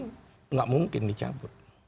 tidak mungkin dicabut